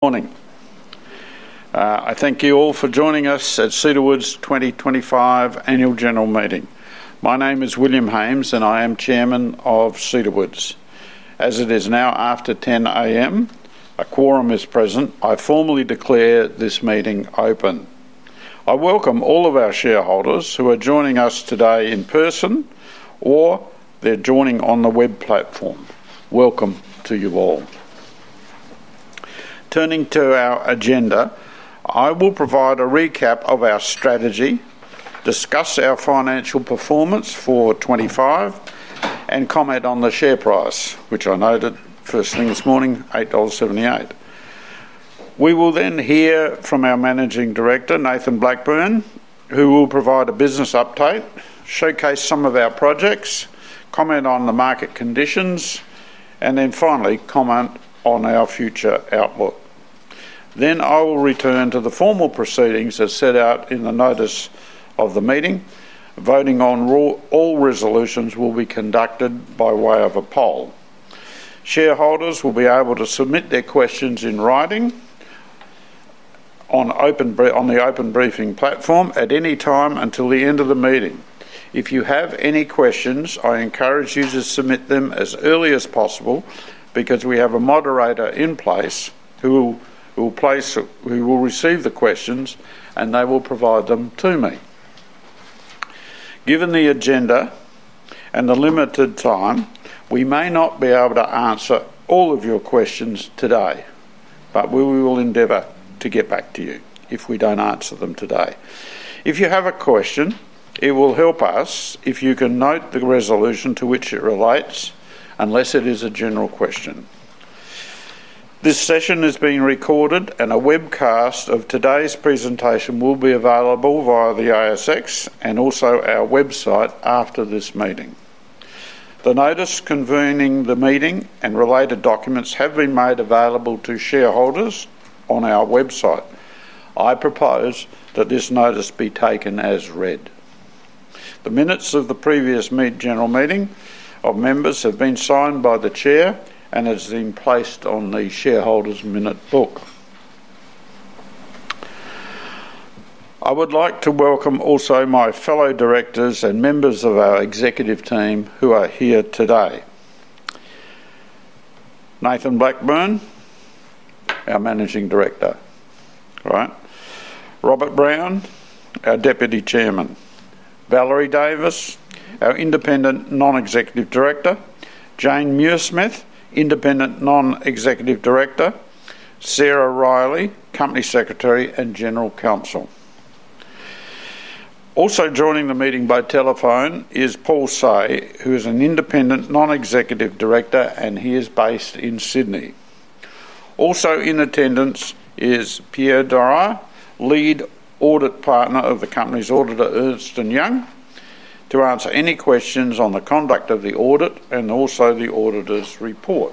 Morning. I thank you all for joining us at Cedar Woods 2025 Annual General Meeting. My name is William Hames, and I am Chairman of Cedar Woods. As it is now after 10:00 A.M., a quorum is present. I formally declare this meeting open. I welcome all of our shareholders who are joining us today in person or they're joining on the web platform. Welcome to you all. Turning to our agenda, I will provide a recap of our strategy, discuss our financial performance for 2025, and comment on the share price, which I noted first thing this morning, 8.78 dollars. We will then hear from our Managing Director, Nathan Blackburne, who will provide a business update, showcase some of our projects, comment on the market conditions, and then finally comment on our future outlook. I will return to the formal proceedings as set out in the notice of the meeting. Voting on all resolutions will be conducted by way of a poll. Shareholders will be able to submit their questions in writing on the open briefing platform at any time until the end of the meeting. If you have any questions, I encourage you to submit them as early as possible because we have a moderator in place who will receive the questions, and they will provide them to me. Given the agenda and the limited time, we may not be able to answer all of your questions today, but we will endeavour to get back to you if we don't answer them today. If you have a question, it will help us if you can note the resolution to which it relates, unless it is a general question. This session is being recorded, and a webcast of today's presentation will be available via the ASX and also our website after this meeting. The notice convening the meeting and related documents have been made available to shareholders on our website. I propose that this notice be taken as read. The minutes of the previous general meeting of members have been signed by the chair and have been placed on the Shareholders' Minute Book. I would like to welcome also my fellow directors and members of our executive team who are here today. Nathan Blackburne, our Managing Director. All right. Robert Brown, our Deputy Chairman. Valerie Davies, our Independent Non-Executive Director. Jane Muirsmith, Independent Non-Executive Director. Sarah Reilly, Company Secretary and General Counsel. Also joining the meeting by telephone is Paul Say, who is an Independent Non-Executive Director, and he is based in Sydney. Also in attendance is Pierre Dreyer, Lead Audit Partner of the company's auditor, Ernst & Young, to answer any questions on the conduct of the audit and also the auditor's report.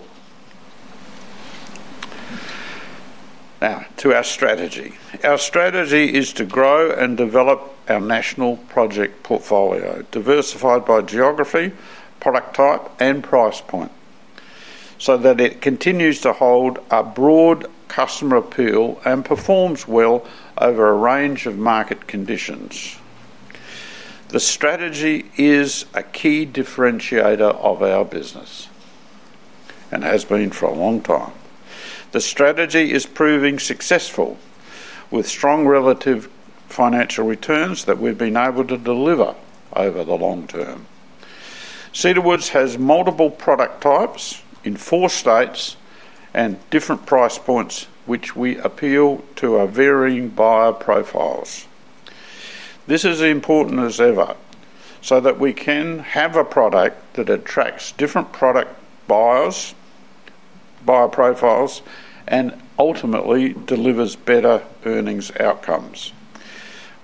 Now, to our strategy. Our strategy is to grow and develop our national project portfolio, diversified by geography, product type, and price point. So that it continues to hold a broad customer appeal and performs well over a range of market conditions. The strategy is a key differentiator of our business. And has been for a long time. The strategy is proving successful with strong relative financial returns that we've been able to deliver over the long term. Cedar Woods has multiple product types in four states and different price points, which we appeal to our varying buyer profiles. This is important as ever so that we can have a product that attracts different product buyers profiles, and ultimately delivers better earnings outcomes.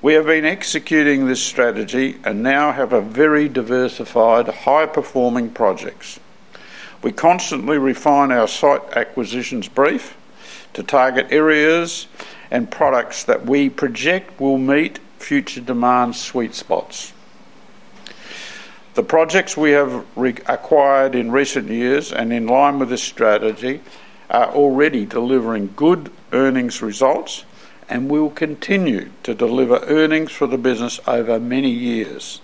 We have been executing this strategy and now have very diversified, high-performing projects. We constantly refine our site acquisitions brief to target areas and products that we project will meet future demand sweet spots. The projects we have acquired in recent years and in line with this strategy are already delivering good earnings results and will continue to deliver earnings for the business over many years.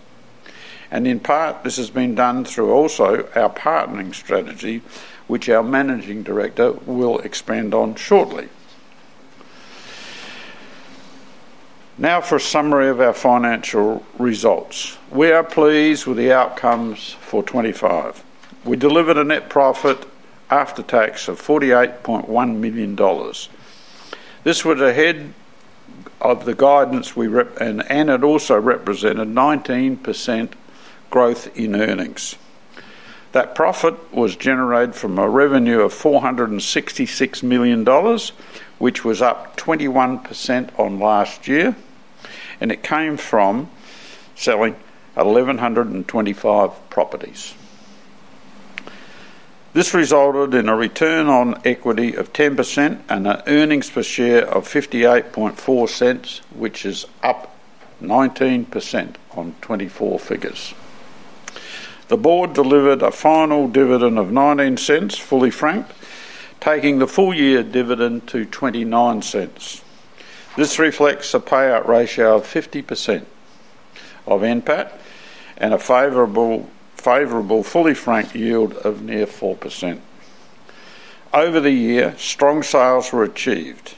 And in part, this has been done through also our partnering strategy, which our Managing Director will expand on shortly. Now for a summary of our financial results. We are pleased with the outcomes for 2025. We delivered a net profit after tax of 48.1 million dollars. This was ahead of the guidance we and it also represented 19% growth in earnings. That profit was generated from a revenue of 466 million dollars, which was up 21% on last year, and it came from selling 1,125 properties. This resulted in a return on equity of 10% and an earnings per share of 0.584, which is up 19% on 2024 figures. The board delivered a final dividend of 0.19, fully franked, taking the full-year dividend to 0.29. This reflects a payout ratio of 50% of NPAT and a favorable fully franked yield of near 4%. Over the year, strong sales were achieved.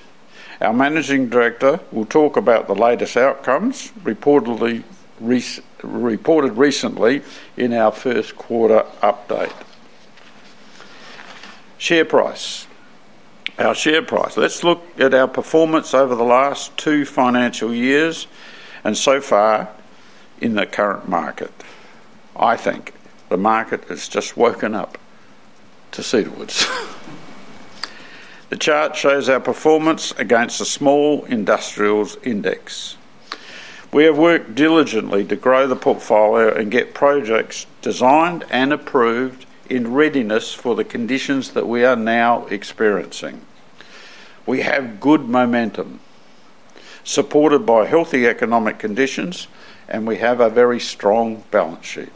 Our Managing Director will talk about the latest outcomes reported recently in our first quarter update. Share price. Our share price. Let's look at our performance over the last two financial years and so far in the current market. I think the market has just woken up to Cedar Woods. The chart shows our performance against the Small Industrials Index. We have worked diligently to grow the portfolio and get projects designed and approved in readiness for the conditions that we are now experiencing. We have good momentum supported by healthy economic conditions, and we have a very strong balance sheet.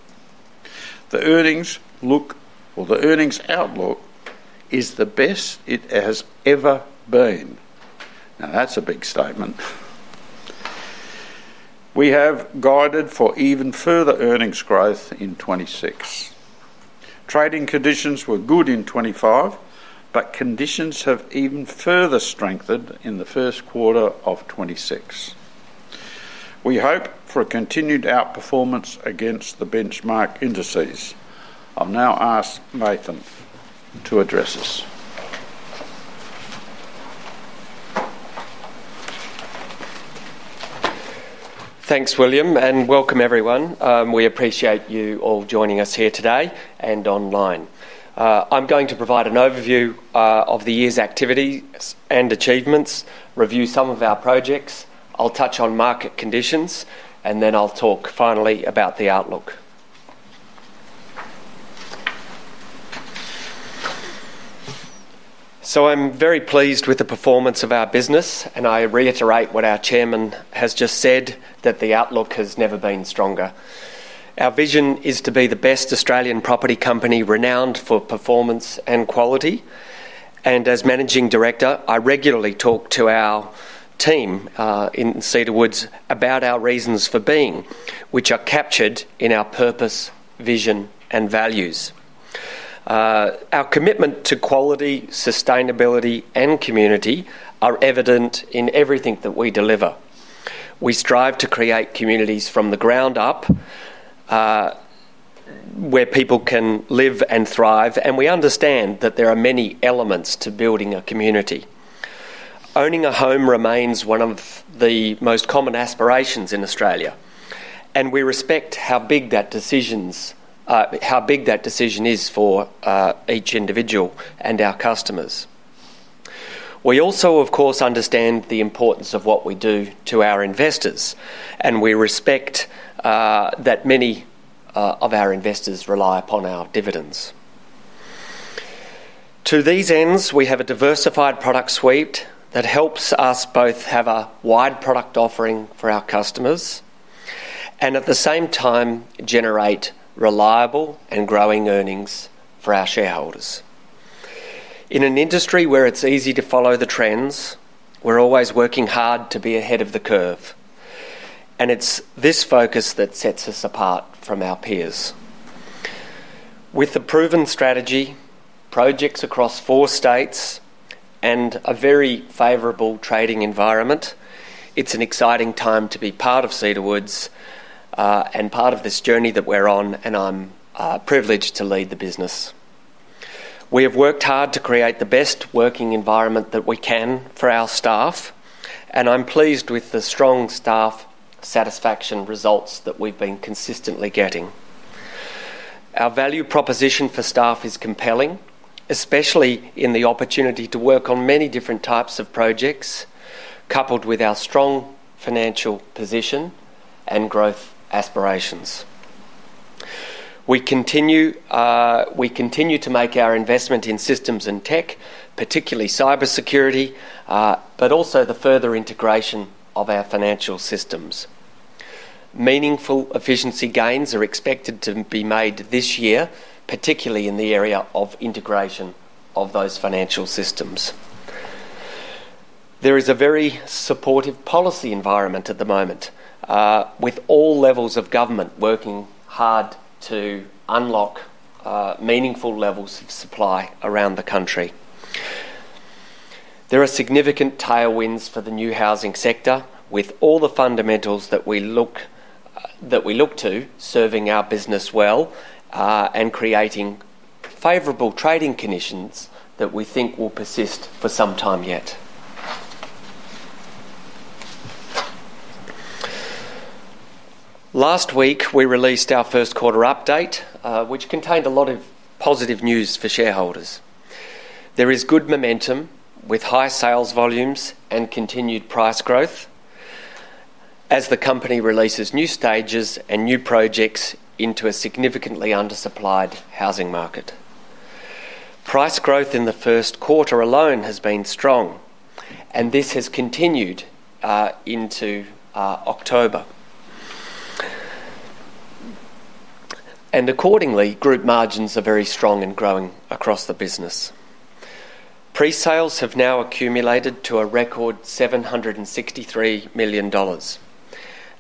The earnings look or the earnings outlook is the best it has ever been. Now, that's a big statement. We have guided for even further earnings growth in 2026. Trading conditions were good in 2025, but conditions have even further strengthened in the first quarter of 2026. We hope for continued outperformance against the benchmark indices. I'll now ask Nathan to address us. Thanks, William, and welcome, everyone. We appreciate you all joining us here today and online. I'm going to provide an overview of the year's activities and achievements, review some of our projects. I'll touch on market conditions, and then I'll talk finally about the outlook. So I'm very pleased with the performance of our business, and I reiterate what our Chairman has just said, that the outlook has never been stronger. Our vision is to be the best Australian property company renowned for performance and quality, and as Managing Director, I regularly talk to our team in Cedar Woods about our reasons for being, which are captured in our purpose, vision, and values. Our commitment to quality, sustainability, and community are evident in everything that we deliver. We strive to create communities from the ground up, where people can live and thrive, and we understand that there are many elements to building a community. Owning a home remains one of the most common aspirations in Australia, and we respect how big that decision is for each individual and our customers. We also, of course, understand the importance of what we do to our investors, and we respect that many of our investors rely upon our dividends. To these ends, we have a diversified product suite that helps us both have a wide product offering for our customers, and at the same time, generate reliable and growing earnings for our shareholders. In an industry where it's easy to follow the trends, we're always working hard to be ahead of the curve, and it's this focus that sets us apart from our peers. With the proven strategy, projects across four states, and a very favorable trading environment, it's an exciting time to be part of Cedar Woods, and part of this journey that we're on, and I'm privileged to lead the business. We have worked hard to create the best working environment that we can for our staff, and I'm pleased with the strong staff satisfaction results that we've been consistently getting. Our value proposition for staff is compelling, especially in the opportunity to work on many different types of projects, coupled with our strong financial position and growth aspirations. We continue to make our investment in systems and tech, particularly cybersecurity, but also the further integration of our financial systems. Meaningful efficiency gains are expected to be made this year, particularly in the area of integration of those financial systems. There is a very supportive policy environment at the moment, with all levels of government working hard to unlock meaningful levels of supply around the country. There are significant tailwinds for the new housing sector, with all the fundamentals that we look to serving our business well and creating favorable trading conditions that we think will persist for some time yet. Last week, we released our first quarter update, which contained a lot of positive news for shareholders. There is good momentum with high sales volumes and continued price growth. As the company releases new stages and new projects into a significantly undersupplied housing market. Price growth in the first quarter alone has been strong, and this has continued into October, and accordingly, group margins are very strong and growing across the business. Pre-sales have now accumulated to a record 763 million dollars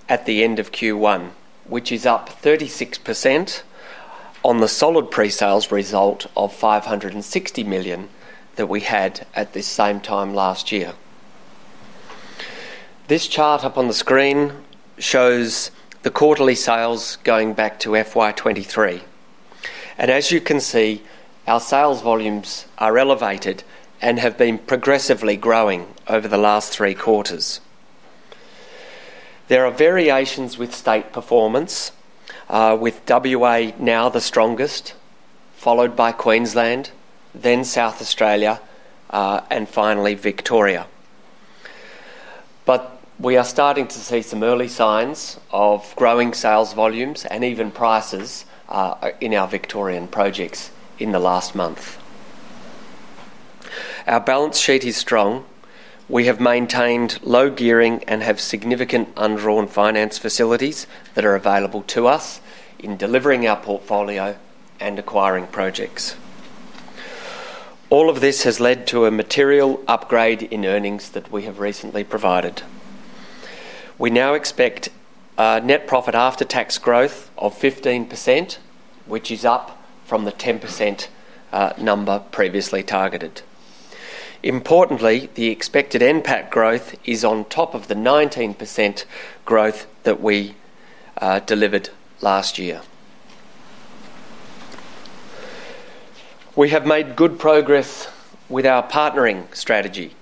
at the end of Q1, which is up 36% on the solid pre-sales result of 560 million that we had at this same time last year. This chart up on the screen shows the quarterly sales going back to FY23. And as you can see, our sales volumes are elevated and have been progressively growing over the last three quarters. There are variations with state performance, with WA now the strongest, followed by Queensland, then South Australia, and finally Victoria, but we are starting to see some early signs of growing sales volumes and even prices in our Victorian projects in the last month. Our balance sheet is strong. We have maintained low gearing and have significant un-drawn finance facilities that are available to us in delivering our portfolio and acquiring projects. All of this has led to a material upgrade in earnings that we have recently provided. We now expect net profit after tax growth of 15%, which is up from the 10% number previously targeted. Importantly, the expected NPAT growth is on top of the 19% growth that we delivered last year. We have made good progress with our partnering strategy.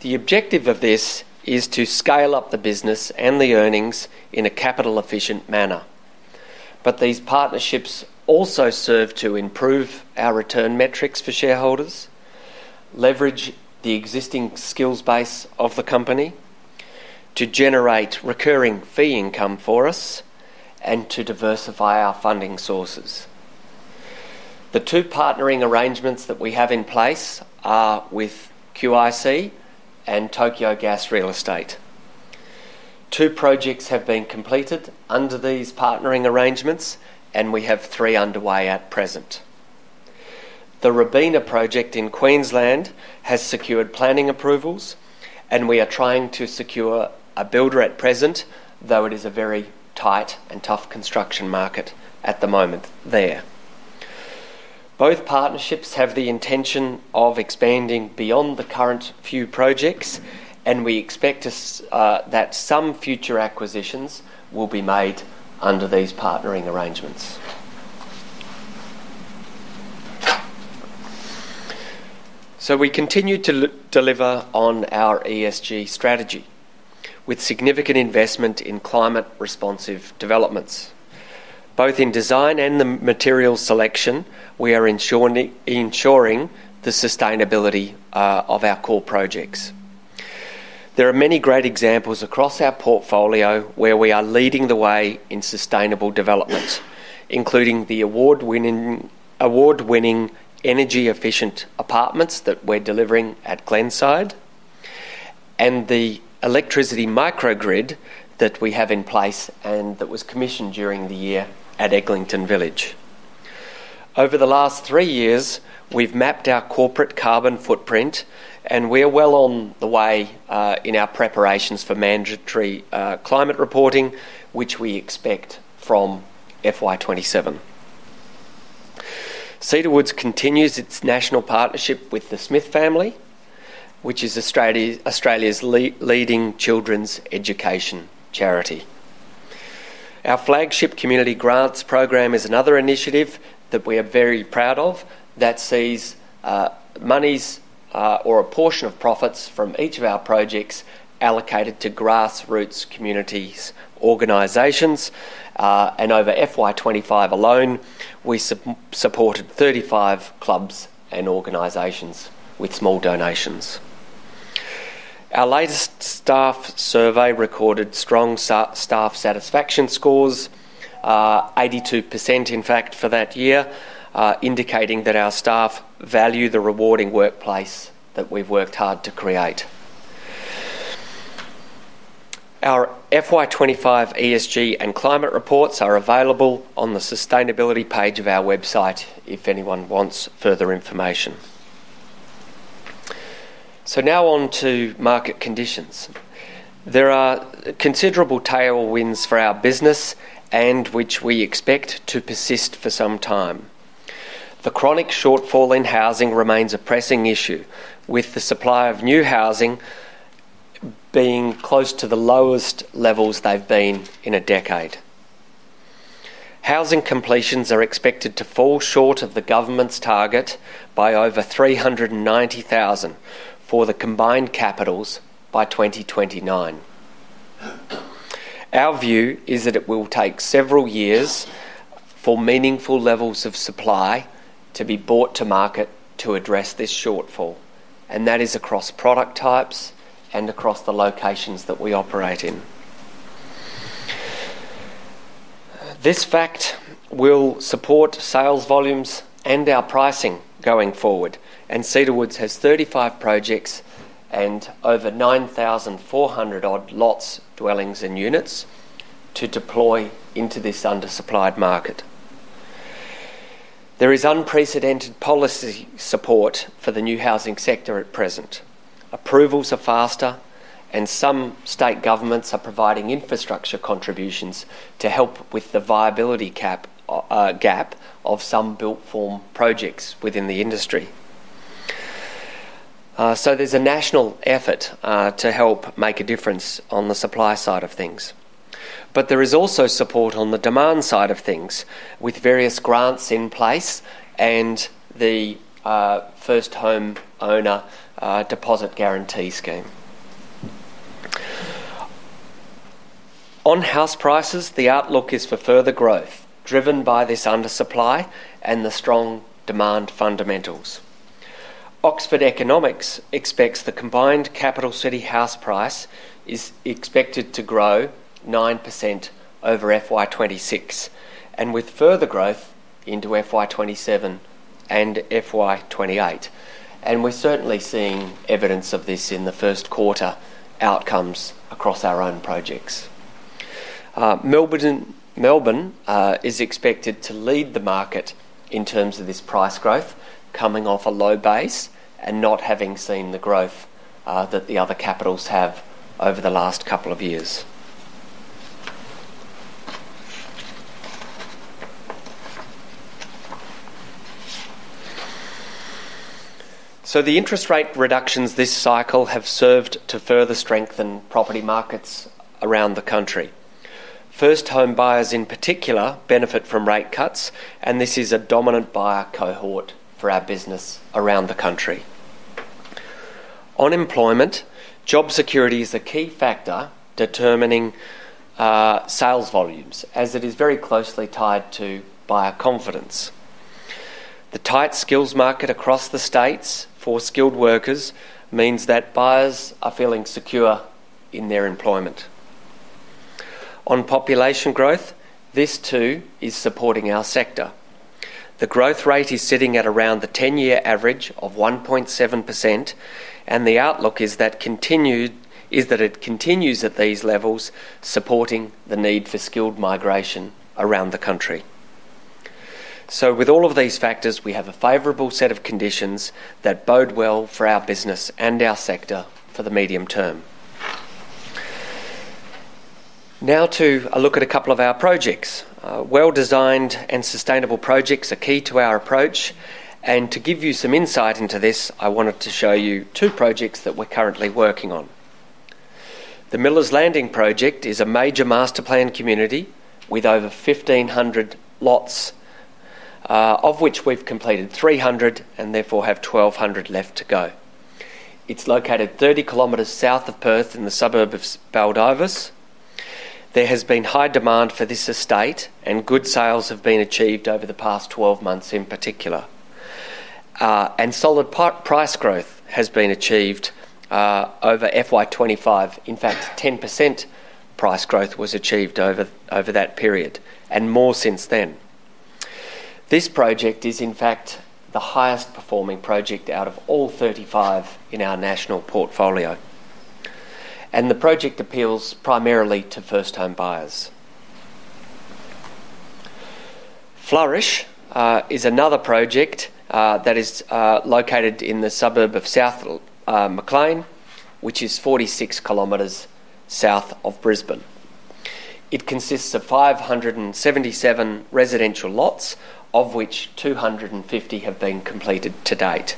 The objective of this is to scale up the business and the earnings in a capital-efficient manner. But these partnerships also serve to improve our return metrics for shareholders, leverage the existing skills base of the company to generate recurring fee income for us, and to diversify our funding sources. The two partnering arrangements that we have in place are with QIC and Tokyo Gas Real Estate. Two projects have been completed under these partnering arrangements, and we have three underway at present. The Robina project in Queensland has secured planning approvals, and we are trying to secure a builder at present, though it is a very tight and tough construction market at the moment there. Both partnerships have the intention of expanding beyond the current few projects, and we expect that some future acquisitions will be made under these partnering arrangements, so we continue to deliver on our ESG strategy with significant investment in climate-responsive developments. Both in design and the material selection, we are ensuring the sustainability of our core projects. There are many great examples across our portfolio where we are leading the way in sustainable development, including the award-winning energy-efficient apartments that we're delivering at Glenside, and the electricity microgrid that we have in place and that was commissioned during the year at Eglinton Village. Over the last three years, we've mapped our corporate carbon footprint, and we're well on the way in our preparations for mandatory climate reporting, which we expect from FY27. Cedar Woods continues its national partnership with The Smith Family, which is Australia's leading children's education charity. Our flagship community grants program is another initiative that we are very proud of that sees monies or a portion of profits from each of our projects allocated to grassroots community organizations, and over FY25 alone, we supported 35 clubs and organizations with small donations. Our latest staff survey recorded strong staff satisfaction scores, 82% in fact for that year, indicating that our staff value the rewarding workplace that we've worked hard to create. Our FY25 ESG and climate reports are available on the sustainability page of our website if anyone wants further information, so now on to market conditions. There are considerable tailwinds for our business, which we expect to persist for some time. The chronic shortfall in housing remains a pressing issue, with the supply of new housing being close to the lowest levels they've been in a decade. Housing completions are expected to fall short of the government's target by over 390,000 for the combined capitals by 2029. Our view is that it will take several years for meaningful levels of supply to be brought to market to address this shortfall, and that is across product types and across the locations that we operate in. This fact will support sales volumes and our pricing going forward, and Cedar Woods has 35 projects and over 9,400-odd lots, dwellings, and units to deploy into this undersupplied market. There is unprecedented policy support for the new housing sector at present. Approvals are faster, and some state governments are providing infrastructure contributions to help with the viability gap of some built-form projects within the industry, so there's a national effort to help make a difference on the supply side of things, but there is also support on the demand side of things with various grants in place and the First Home Owner Deposit Guarantee Scheme. On house prices, the outlook is for further growth driven by this undersupply and the strong demand fundamentals. Oxford Economics expects the combined capital city house price is expected to grow 9% over FY26 and with further growth into FY27 and FY28, and we're certainly seeing evidence of this in the first quarter outcomes across our own projects. Melbourne is expected to lead the market in terms of this price growth, coming off a low base and not having seen the growth that the other capitals have over the last couple of years, so the interest rate reductions this cycle have served to further strengthen property markets around the country. First home buyers in particular benefit from rate cuts, and this is a dominant buyer cohort for our business around the country. On employment, job security is a key factor determining sales volumes, as it is very closely tied to buyer confidence. The tight skills market across the states for skilled workers means that buyers are feeling secure in their employment. On population growth, this too is supporting our sector. The growth rate is sitting at around the 10-year average of 1.7%, and the outlook is that it continues at these levels, supporting the need for skilled migration around the country. With all of these factors, we have a favorable set of conditions that bode well for our business and our sector for the medium term. Now to a look at a couple of our projects. Well-designed and sustainable projects are key to our approach, and to give you some insight into this, I wanted to show you two projects that we're currently working on. The Millars Landing project is a major master plan community with over 1,500 lots, of which we've completed 300 and therefore have 1,200 left to go. It's located 30 km south of Perth in the suburb of Baldivis. There has been high demand for this estate, and good sales have been achieved over the past 12 months in particular, and solid price growth has been achieved over FY25. In fact, 10% price growth was achieved over that period and more since then. This project is, in fact, the highest performing project out of all 35 in our national portfolio, and the project appeals primarily to first home buyers. Flourish is another project that is located in the suburb of South Maclean, which is 46 km south of Brisbane. It consists of 577 residential lots, of which 250 have been completed to date.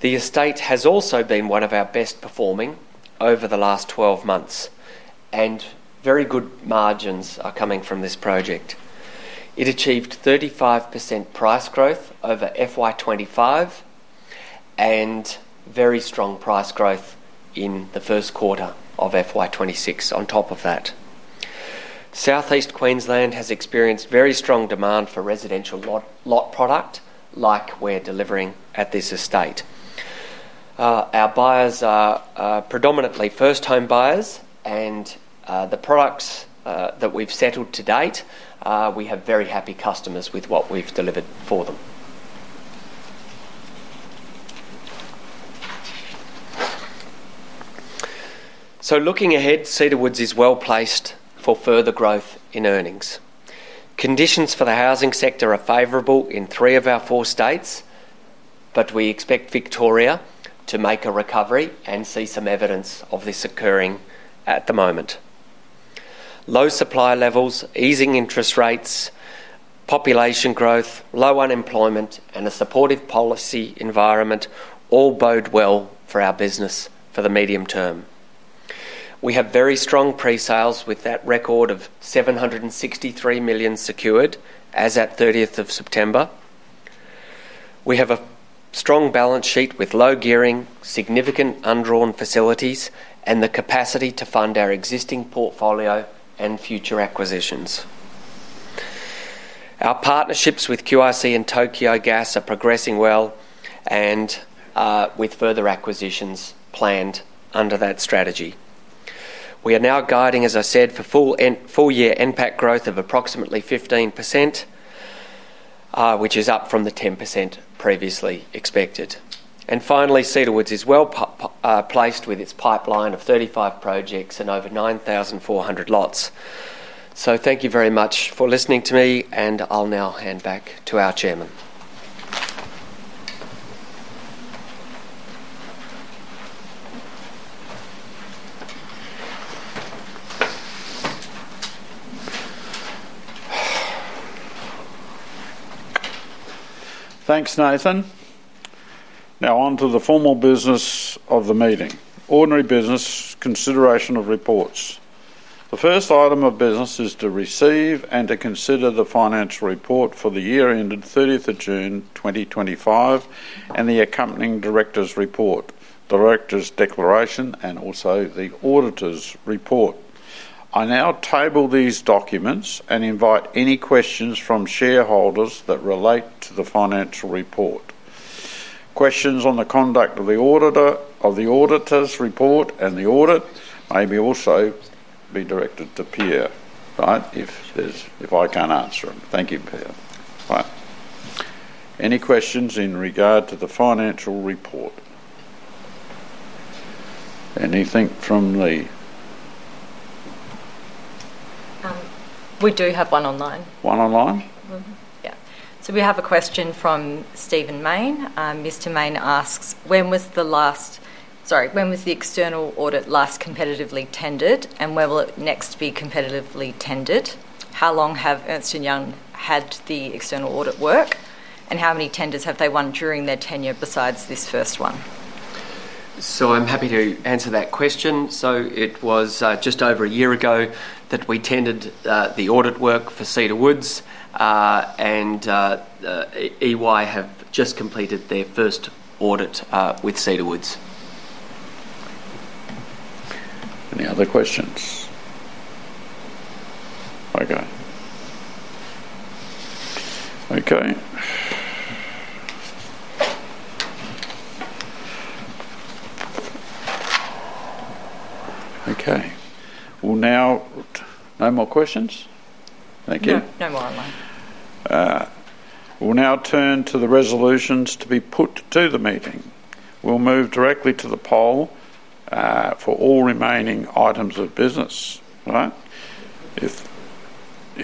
The estate has also been one of our best performing over the last 12 months, and very good margins are coming from this project. It achieved 35% price growth over FY25, and very strong price growth in the first quarter of FY26 on top of that. Southeast Queensland has experienced very strong demand for residential lot product like we're delivering at this estate. Our buyers are predominantly first home buyers, and the products that we've settled to date, we have very happy customers with what we've delivered for them. Looking ahead, Cedar Woods is well placed for further growth in earnings. Conditions for the housing sector are favorable in three of our four states, but we expect Victoria to make a recovery and see some evidence of this occurring at the moment. Low supply levels, easing interest rates, population growth, low unemployment, and a supportive policy environment all bode well for our business for the medium term. We have very strong pre-sales with that record of 763 million secured as at 30th of September. We have a strong balance sheet with low gearing, significant undrawn facilities, and the capacity to fund our existing portfolio and future acquisitions. Our partnerships with QIC and Tokyo Gas are progressing well, and with further acquisitions planned under that strategy. We are now guiding, as I said, for full-year NPAT growth of approximately 15%, which is up from the 10% previously expected. Finally, Cedar Woods is well placed with its pipeline of 35 projects and over 9,400 lots. So thank you very much for listening to me, and I'll now hand back to our chairman. Thanks, Nathan. Now on to the formal business of the meeting. Ordinary business, consideration of reports. The first item of business is to receive and to consider the financial report for the year ended 30th of June 2025 and the accompanying director's report, director's declaration, and also the auditor's report. I now table these documents and invite any questions from shareholders that relate to the financial report. Questions on the conduct of the auditor's report and the audit maybe also be directed to Pierre, right, if I can't answer them. Thank you, Pierre. All right. Any questions in regard to the financial report? Anything from the? We do have one online. One online? Yeah. So we have a question from Stephen Mayne. Mr. Mayne asks, "When was the last—sorry, when was the external audit last competitively tendered, and when will it next be competitively tendered? How long have Ernst & Young had the external audit work, and how many tenders have they won during their tenure besides this first one?" So I'm happy to answer that question. So it was just over a year ago that we tendered the audit work for Cedar Woods. And EY have just completed their first audit with Cedar Woods. Any other questions? Okay. Well, now. No more questions? Thank you. No. No more online. We'll now turn to the resolutions to be put to the meeting. We'll move directly to the poll for all remaining items of business, all right?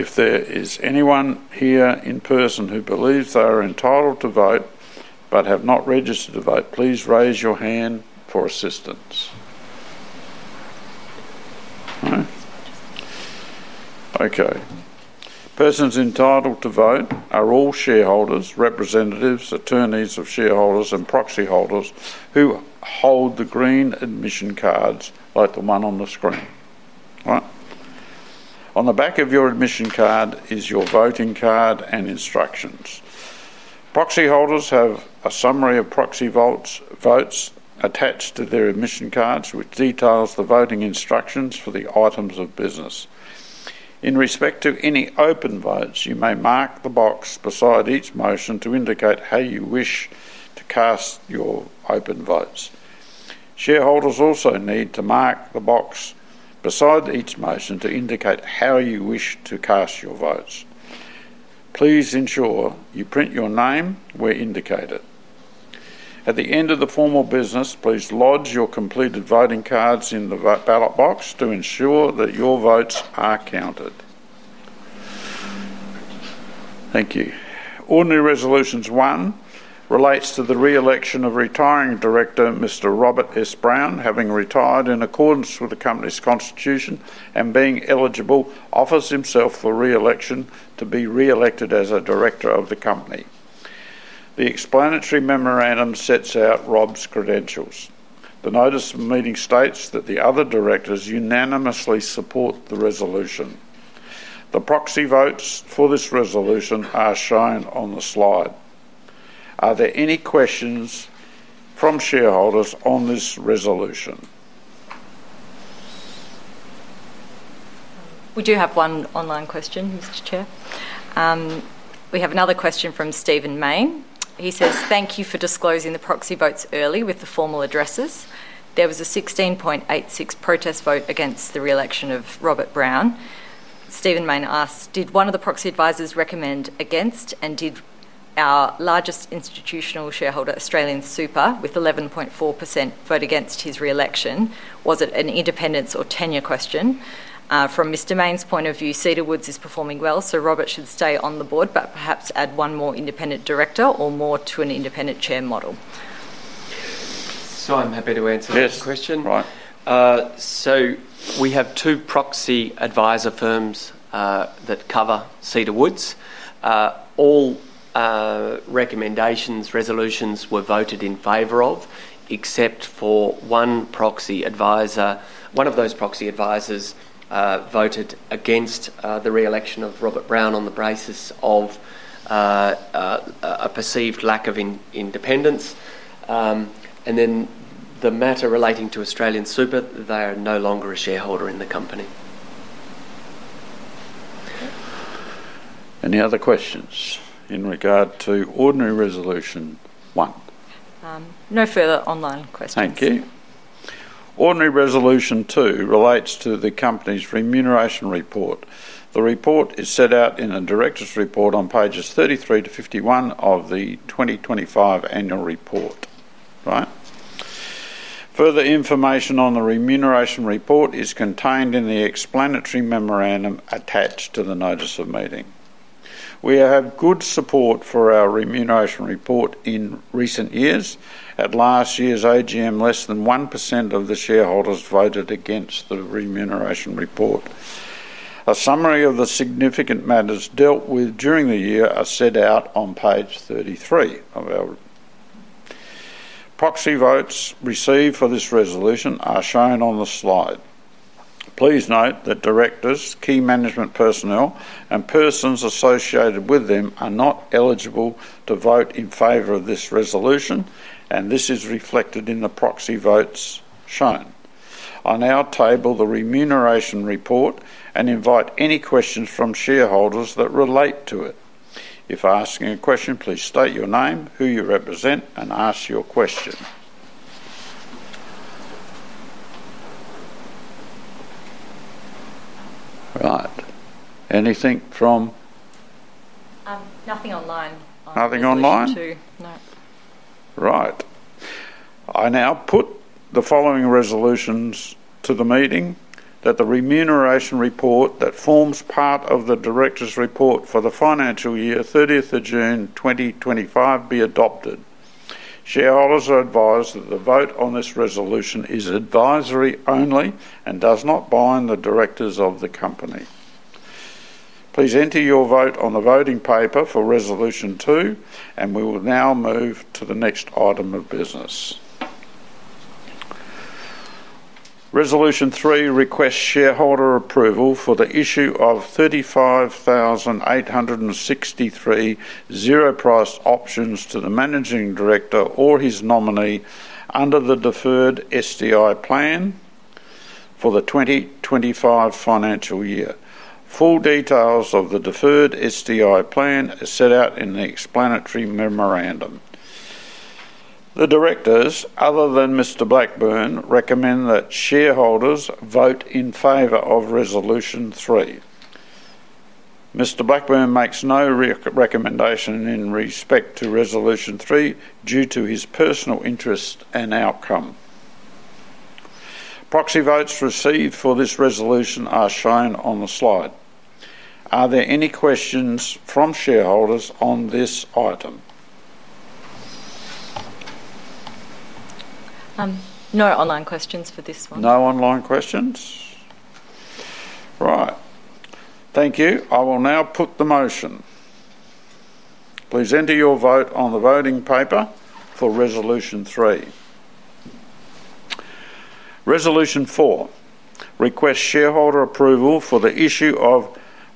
There is anyone here in person who believes they are entitled to vote but have not registered to vote, please raise your hand for assistance. All right? Okay. Persons entitled to vote are all shareholders, representatives, attorneys of shareholders, and proxy holders who hold the green admission cards like the one on the screen. All right? On the back of your admission card is your voting card and instructions. Proxy holders have a summary of proxy votes attached to their admission cards, which details the voting instructions for the items of business. In respect to any open votes, you may mark the box beside each motion to indicate how you wish to cast your open votes. Shareholders also need to mark the box beside each motion to indicate how you wish to cast your votes. Please ensure you print your name where indicated. At the end of the formal business, please lodge your completed voting cards in the ballot box to ensure that your votes are counted. Thank you. Ordinary resolutions one relates to the re-election of retiring director Mr. Robert S. Brown, having retired in accordance with the company's constitution and being eligible, offers himself for re-election to be re-elected as a director of the company. The explanatory memorandum sets out Rob's credentials. The notice of meeting states that the other directors unanimously support the resolution. The proxy votes for this resolution are shown on the slide. Are there any questions from shareholders on this resolution? We do have one online question, Mr. Chair. We have another question from Stephen Mayne. He says, "Thank you for disclosing the proxy votes early with the formal addresses. There was a 16.86% protest vote against the re-election of Robert Brown." Stephen Mayne asked, "Did one of the proxy advisors recommend against, and did our largest institutional shareholder, AustralianSuper, with 11.4%, vote against his re-election? Was it an independence or tenure question?" From Mr. Mayne's point of view, Cedar Woods is performing well, so Robert should stay on the board but perhaps add one more independent director or more to an independent chair model. So I'm happy to answer that question. Yes. All right. So we have two proxy advisor firms that cover Cedar Woods. All recommendations, resolutions were voted in favor of except for one proxy advisor. One of those proxy advisors voted against the re-election of Robert Brown on the basis of a perceived lack of independence. And then the matter relating to AustralianSuper, they are no longer a shareholder in the company. Any other questions in regard to ordinary resolution one? No further online questions. Thank you. Ordinary resolution two relates to the company's remuneration report. The report is set out in a director's report on pages 33 to 51 of the 2025 annual report. All right? Further information on the remuneration report is contained in the explanatory memorandum attached to the notice of meeting. We have good support for our remuneration report in recent years. At last year's AGM, less than 1% of the shareholders voted against the remuneration report. A summary of the significant matters dealt with during the year are set out on page 33 of our proxy votes received for this resolution are shown on the slide. Please note that directors, key management personnel, and persons associated with them are not eligible to vote in favor of this resolution, and this is reflected in the proxy votes shown. I now table the remuneration report and invite any questions from shareholders that relate to it. If asking a question, please state your name, who you represent, and ask your question. All right. Anything from? Nothing online. No. Right. I now put the following resolutions to the meeting: that the remuneration report that forms part of the director's report for the financial year, 30th of June 2025, be adopted. Shareholders are advised that the vote on this resolution is advisory only and does not bind the directors of the company. Please enter your vote on the voting paper for resolution two, and we will now move to the next item of business. Resolution three requests shareholder approval for the issue of 35,863 Zero-Price Options to the managing director or his nominee under the Deferred STI Plan. For the 2025 financial year. Full details of the Deferred STI Plan are set out in the explanatory memorandum. The directors, other than Mr. Blackburne, recommend that shareholders vote in favor of resolution three. Mr. Blackburne makes no recommendation in respect to resolution three due to his personal interest and outcome. Proxy votes received for this resolution are shown on the slide. Are there any questions from shareholders on this item? No online questions for this one. No online questions? Right. Thank you. I will now put the motion. Please enter your vote on the voting paper for resolution three. Resolution four requests shareholder approval for the issue of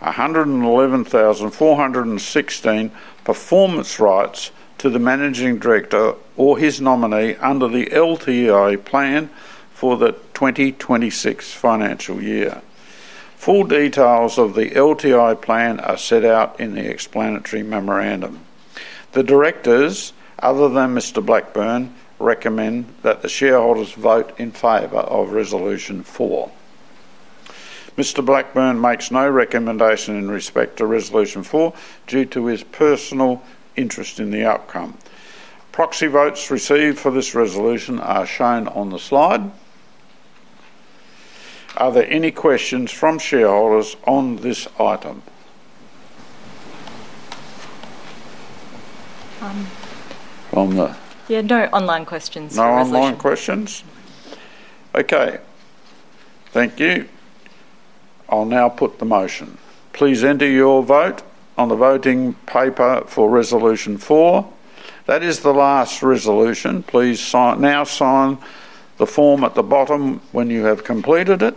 111,416 Performance Rights to the managing director or his nominee under the LTI plan for the 2026 financial year. Full details of the LTI plan are set out in the explanatory memorandum. The directors, other than Mr. Blackburne, recommend that the shareholders vote in favor of resolution four. Mr. Blackburne makes no recommendation in respect to resolution four due to his personal interest in the outcome. Proxy votes received for this resolution are shown on the slide. Are there any questions from shareholders on this item? From the? Yeah, no online questions for resolution. No online questions? Okay. Thank you. I'll now put the motion. Please enter your vote on the voting paper for resolution four. That is the last resolution. Please now sign the form at the bottom when you have completed it.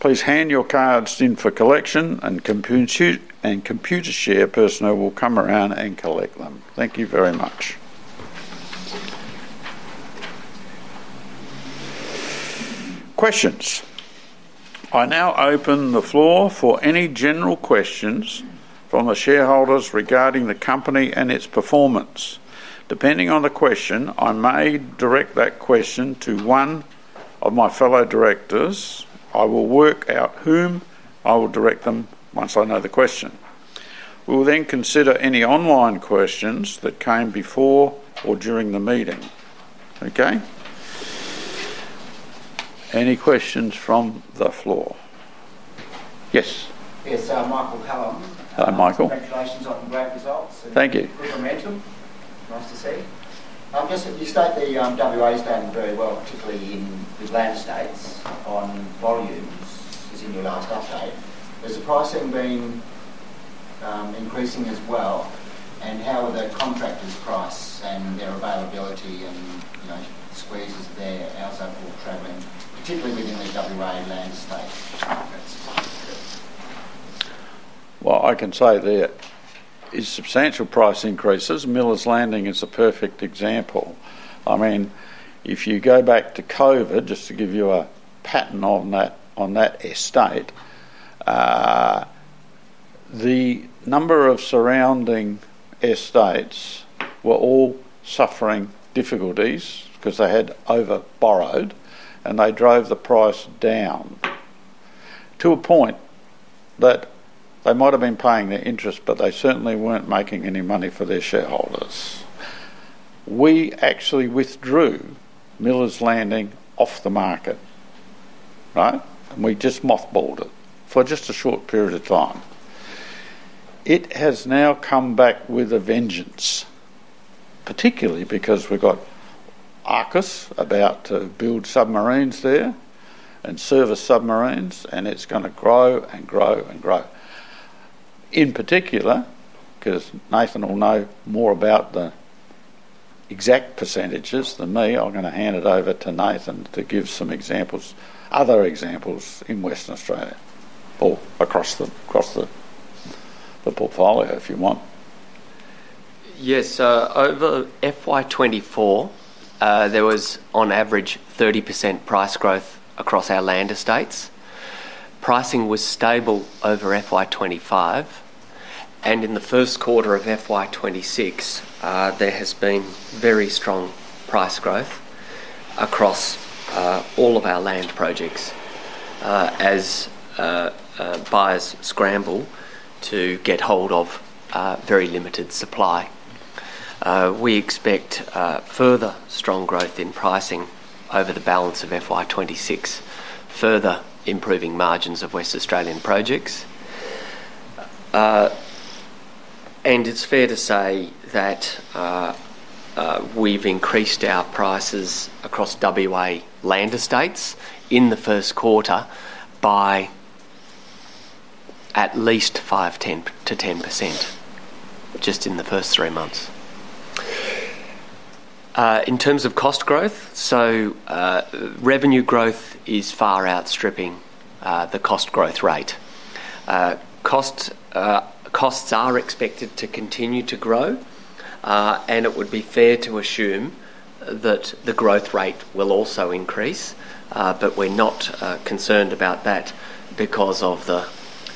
Please hand your cards in for collection, and Computershare personnel will come around and collect them. Thank you very much. Questions. I now open the floor for any general questions from the shareholders regarding the company and its performance. Depending on the question, I may direct that question to one of my fellow directors. I will work out whom I will direct them once I know the question. We will then consider any online questions that came before or during the meeting. Okay? Any questions from the floor? Yes. Yes. Michael Callum. Hello, Michael. Congratulations on great results. Thank you. Good momentum. Nice to see. Just if you state the WA standard very well, particularly with land states on volumes, as in your last update, has the pricing been. Increasing as well, and how are the contractors' price and their availability and squeezes there, household traveling, particularly within the WA land state markets? Well, I can say there. Is substantial price increases. Millars Landing is a perfect example. I mean, if you go back to COVID, just to give you a pattern on that. Estate. The number of surrounding estates were all suffering difficulties because they had overborrowed, and they drove the price down. To a point that they might have been paying their interest, but they certainly weren't making any money for their shareholders. We actually withdrew Millars Landing off the market. Right? And we just mothballed it for just a short period of time. It has now come back with a vengeance. Particularly because we've got AUKUS about to build submarines there and service submarines, and it's going to grow and grow and grow. In particular because Nathan will know more about the exact percentages than me. I'm going to hand it over to Nathan to give some examples, other examples in Western Australia or across the portfolio if you want. Yes. Over FY24 there was, on average, 30% price growth across our land estates. Pricing was stable over FY25. And in the first quarter of FY26 there has been very strong price growth across all of our land projects. As buyers scramble to get hold of very limited supply. We expect further strong growth in pricing over the balance of FY26, further improving margins of West Australian projects. And it's fair to say that we've increased our prices across WA land estates in the first quarter by at least 5-10%. Just in the first three months. In terms of cost growth, so revenue growth is far outstripping the cost growth rate. Costs are expected to continue to grow. And it would be fair to assume that the growth rate will also increase, but we're not concerned about that because of the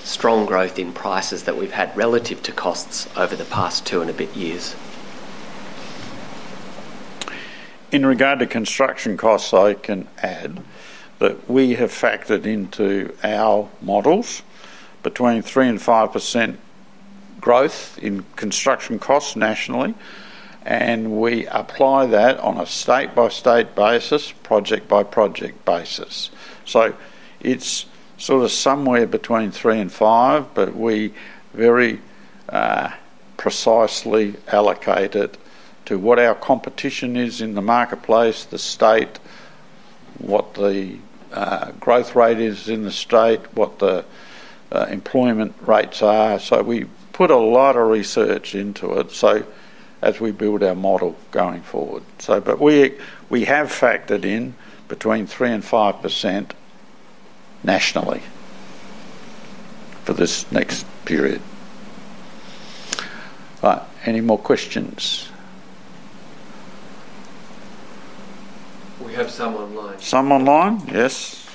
strong growth in prices that we've had relative to costs over the past two and a bit years. In regard to construction costs, I can add that we have factored into our models between 3-5% growth in construction costs nationally, and we apply that on a state-by-state basis, project-by-project basis. So it's sort of somewhere between 3-5%, but we very precisely allocate it to what our competition is in the marketplace, the state, what the growth rate is in the state, what the employment rates are. So we put a lot of research into it as we build our model going forward. But we have factored in between 3-5% nationally for this next period. All right. Any more questions? We have some online. Some online, yes.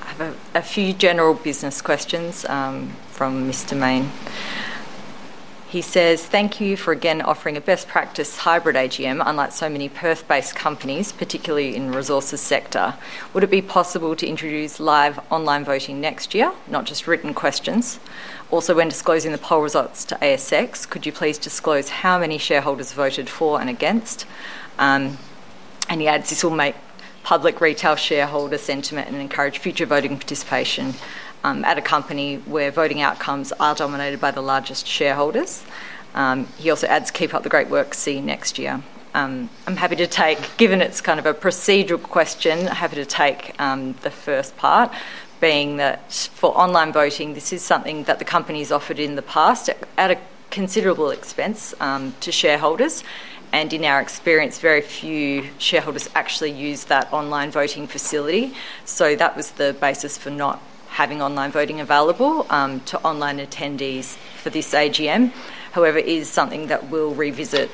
I have a few general business questions from Mr. Mayne. He says, "Thank you for, again, offering a best practice hybrid AGM, unlike so many Perth-based companies, particularly in the resources sector. Would it be possible to introduce live online voting next year, not just written questions? Also, when disclosing the poll results to ASX, could you please disclose how many shareholders voted for and against?" And he adds, "This will make public retail shareholder sentiment and encourage future voting participation at a company where voting outcomes are dominated by the largest shareholders." He also adds, "Keep up the great work. See you next year." I'm happy to take, given it's kind of a procedural question, happy to take the first part, being that for online voting, this is something that the company has offered in the past at a considerable expense to shareholders. And in our experience, very few shareholders actually use that online voting facility. So that was the basis for not having online voting available to online attendees for this AGM. However, it is something that we'll revisit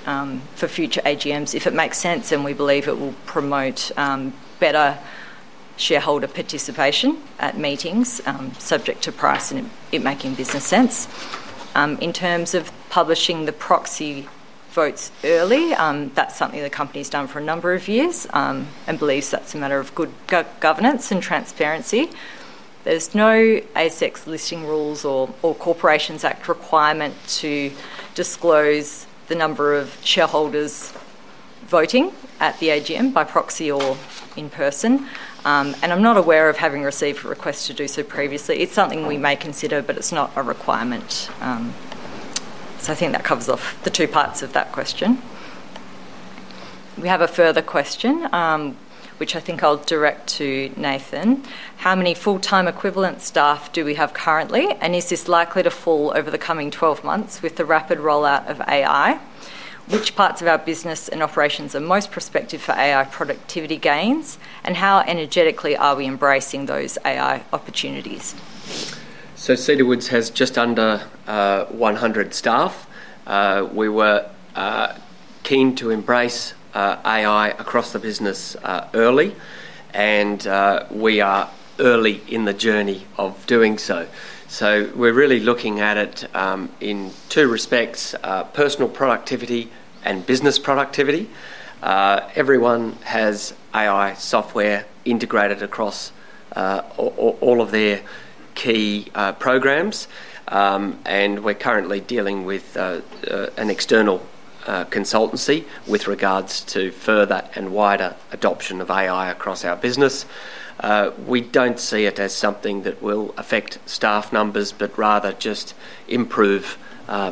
for future AGMs if it makes sense, and we believe it will promote better shareholder participation at meetings, subject to price and it making business sense. In terms of publishing the proxy votes early, that's something the company has done for a number of years and believes that's a matter of good governance and transparency. There's no ASX listing rules or Corporations Act requirement to disclose the number of shareholders voting at the AGM by proxy or in person. And I'm not aware of having received a request to do so previously. It's something we may consider, but it's not a requirement. So I think that covers off the two parts of that question. We have a further question, which I think I'll direct to Nathan. "How many full-time equivalent staff do we have currently, and is this likely to fall over the coming 12 months with the rapid rollout of AI? Which parts of our business and operations are most prospective for AI productivity gains, and how energetically are we embracing those AI opportunities?" So Cedar Woods has just under 100 staff. We were keen to embrace AI across the business early. And we are early in the journey of doing so. So we're really looking at it in two respects: personal productivity and business productivity. Everyone has AI software integrated across all of their key programs. And we're currently dealing with an external consultancy with regards to further and wider adoption of AI across our business. We don't see it as something that will affect staff numbers, but rather just improve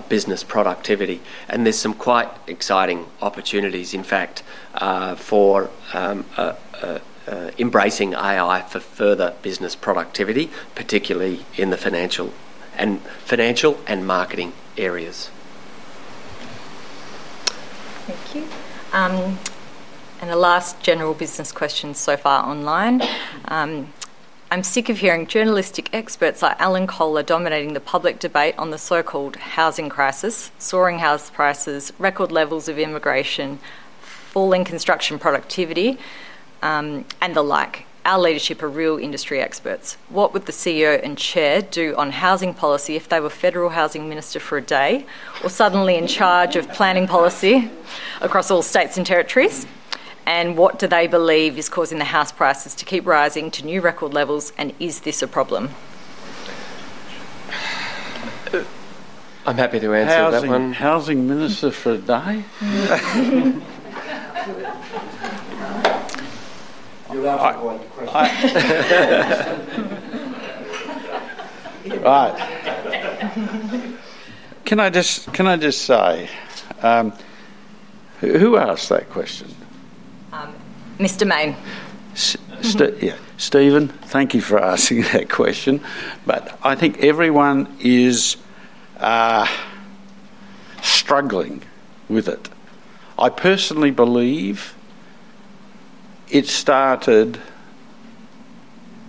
business productivity. And there's some quite exciting opportunities, in fact, for embracing AI for further business productivity, particularly in the financial and marketing areas. Thank you. And a last general business question so far online. "I'm sick of hearing journalistic experts like Alan Kohler dominating the public debate on the so-called housing crisis, soaring house prices, record levels of immigration, falling construction productivity. And the like. Our leadership are real industry experts. What would the CEO and chair do on housing policy if they were federal housing minister for a day or suddenly in charge of planning policy across all states and territories? And what do they believe is causing the house prices to keep rising to new record levels, and is this a problem?" I'm happy to answer that one. I'm saying Housing minister for a day? Right. Can I just say. Who asked that question? Mr. Mayne. Yeah. Stephen, thank you for asking that question. But I think everyone is struggling with it. I personally believe it started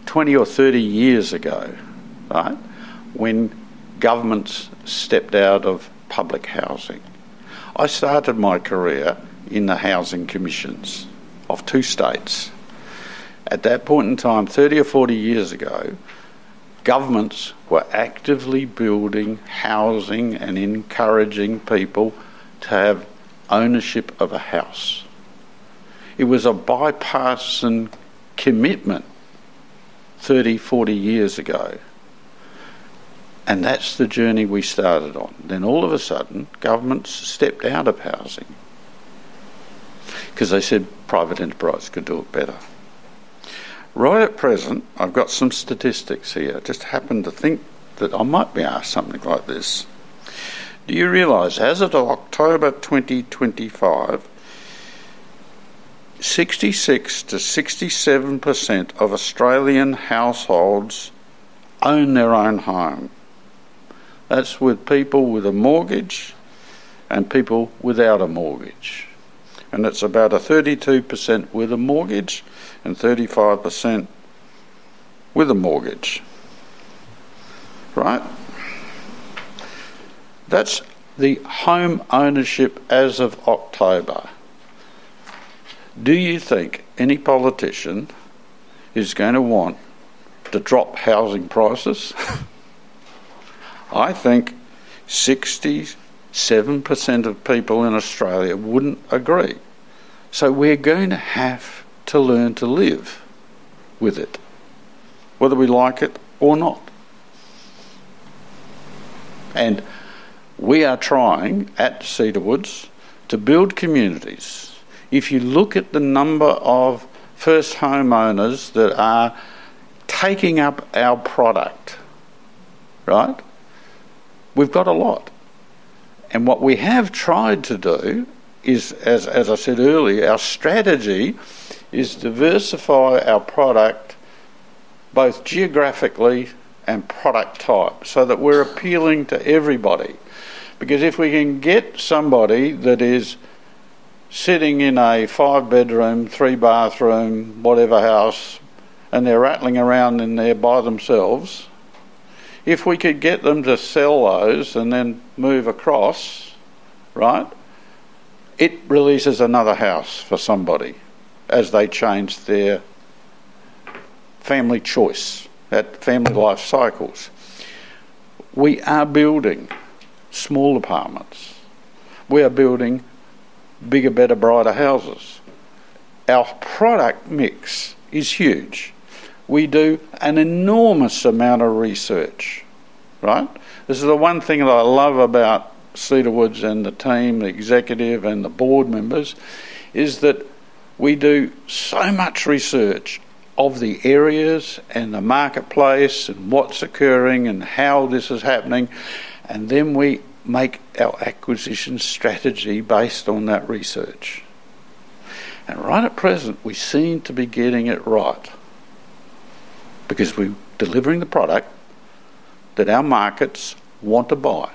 20 or 30 years ago, right, when governments stepped out of public housing. I started my career in the housing commissions of two states. At that point in time, 30 or 40 years ago. Governments were actively building housing and encouraging people to have ownership of a house. It was a bipartisan commitment 30, 40 years ago. And that's the journey we started on. Then all of a sudden, governments stepped out of housing. Because they said private enterprise could do it better. Right at present, I've got some statistics here. I just happened to think that I might be asked something like this. Do you realize, as of October 2025, 66%-67% of Australian households own their own home? That's with people with a mortgage and people without a mortgage. And that's about 32% with a mortgage and 35% without a mortgage. Right? That's the home ownership as of October. Do you think any politician is going to want to drop housing prices? I think 67% of people in Australia wouldn't agree. So we're going to have to learn to live with it. Whether we like it or not. And we are trying at Cedar Woods to build communities. If you look at the number of first homeowners that are taking up our product. Right? We've got a lot. And what we have tried to do is, as I said earlier, our strategy is to diversify our product. Both geographically and product type so that we're appealing to everybody. Because if we can get somebody that is sitting in a five-bedroom, three-bathroom, whatever house, and they're rattling around in there by themselves. If we could get them to sell those and then move across, right. It releases another house for somebody as they change their family choice, that family life cycles. We are building small apartments. We are building bigger, better, brighter houses. Our product mix is huge. We do an enormous amount of research. Right? This is the one thing that I love about Cedar Woods and the team, the executive, and the board members, is that we do so much research of the areas and the marketplace and what's occurring and how this is happening, and then we make our acquisition strategy based on that research. And right at present, we seem to be getting it right. Because we're delivering the product that our markets want to buy.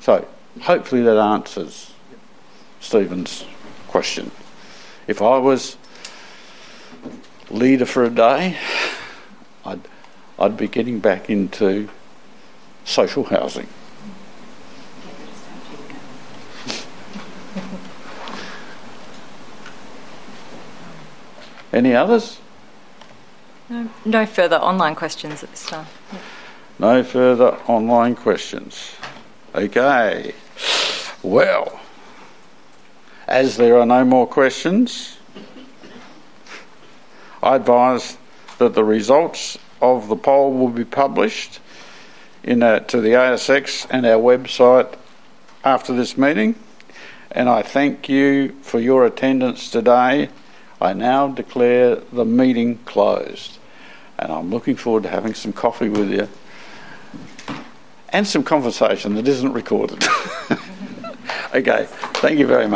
So hopefully, that answers Stephen's question. If I was leader for a day, I'd be getting back into social housing. Any others? No further online questions at this time. Okay. Well, as there are no more questions, I advise that the results of the poll will be published to the ASX and our website after this meeting. And I thank you for your attendance today. I now declare the meeting closed. And I'm looking forward to having some coffee with you and some conversation that isn't recorded. Okay. Thank you very much.